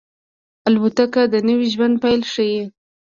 الوتکه د نوي ژوند پیل ښيي.